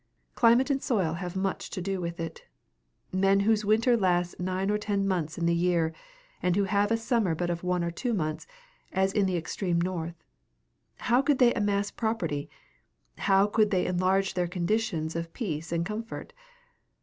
Climate and soil have much to do with it. Men whose winter lasts nine or ten months in the year, and who have a summer of but one or two months, as in the extreme north, how could they amass property, how could they enlarge their conditions of peace and of comfort?